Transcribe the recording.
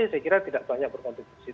saya kira tidak banyak berkonteks itu